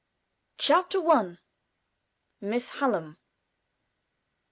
CHAPTER I. MISS HALLAM.